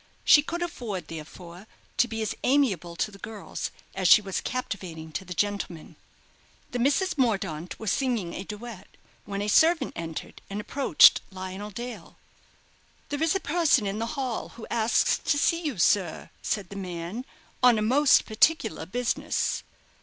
She could afford, therefore, to be as amiable to the girls as she was captivating to the gentlemen. The Misses Mordaunt were singing a duet, when a servant entered, and approached Lionel Dale. "There is a person in the hall who asks to see you, sir," said the man, "on most particular business."